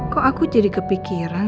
kalau aku jadi kepikiran